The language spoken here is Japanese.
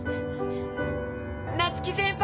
夏希先輩！